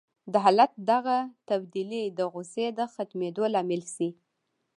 د حالت دغه تبديلي د غوسې د ختمېدو لامل شي.